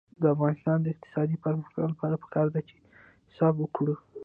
د افغانستان د اقتصادي پرمختګ لپاره پکار ده چې حساب وکړو.